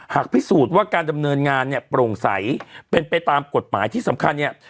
หากพิสูจน์ว่าการดำเนินงานเนี่ยโปร่งใสเป็นไปตามกฎหมายที่สำคัญเนี่ย